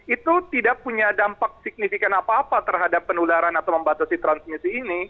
itu tidak punya dampak signifikan apa apa terhadap penularan atau membatasi transmisi ini